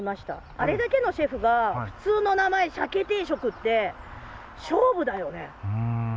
あれだけのシェフが、普通の名前、鮭定食って、勝負だよね。